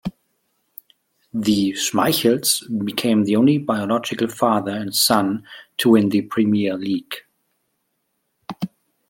The Schmeichels became the only biological father and son to win the Premier League.